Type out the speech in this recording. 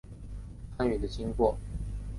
参与的经过